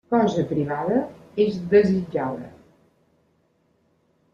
Cosa privada és desitjada.